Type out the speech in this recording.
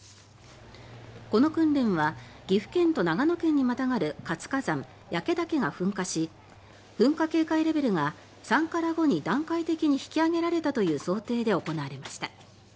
この訓練は岐阜県と長野県にまたがる活火山・焼岳が噴火し噴火警戒レベルが３から５に段階的に引き上げられたという想定で行われました。